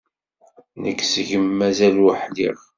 Nekk seg-m mazal ur ḥliɣ.